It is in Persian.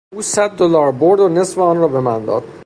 او صد دلار برد و نصف آن را به من داد.